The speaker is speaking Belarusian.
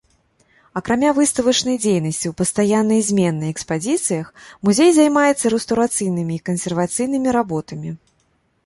Акрамя выставачнай дзейнасці ў пастаяннай і зменнай экспазіцыях музей займаецца рэстаўрацыйнымі і кансервацыйнымі работамі.